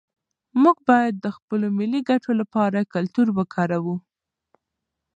موږ باید د خپلو ملي ګټو لپاره کلتور وکاروو.